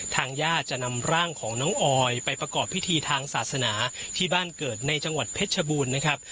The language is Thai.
ทางญาติจะนำร่างของน้องออยไปประกอบพิธีทางศาสนาที่บ้านเกิดในจังหวัดเพชรชบูรณ์นะครับ